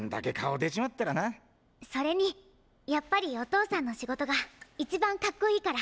それにやっぱりお父さんの仕事が一番カッコいいから。